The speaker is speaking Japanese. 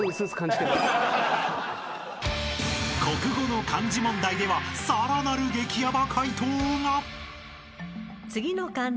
［国語の漢字問題ではさらなる激ヤバ解答が］